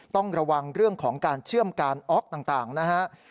ต้องระวังเรื่องของการเชื่อมการออกต่างนะฮะ